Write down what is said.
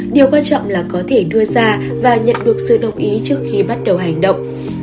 điều quan trọng là có thể đưa ra và nhận được sự đồng ý trước khi bắt đầu hành động